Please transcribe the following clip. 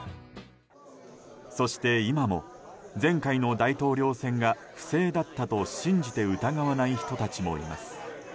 そして今も前回の大統領選が不正だったと信じて疑わない人たちもいます。